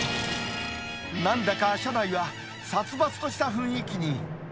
なんだか車内は殺伐とした雰囲気に。